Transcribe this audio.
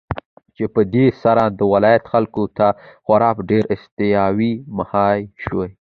چې په دې سره د ولايت خلكو ته خورا ډېرې اسانتياوې مهيا شوې.